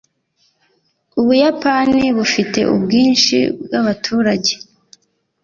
Ubuyapani bufite ubwinshi bwabaturage.